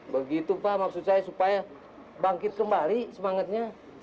begitu pak maksud saya supaya bangkit kembali semangatnya